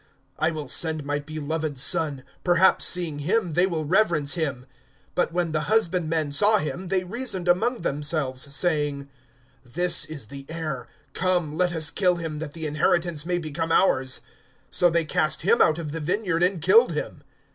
I will send my beloved son; perhaps, seeing him, they will reverence him. (14)But when the husbandmen saw him, they reasoned among themselves, saying: This is the heir; come, let us kill him, that the inheritance may become ours. (15)So they cast him out of the vineyard, and killed him.